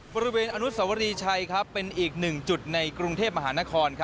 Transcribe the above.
บริเวณอนุสวรีชัยเป็นอีกหนึ่งจุดในกรุงเทพมหานคร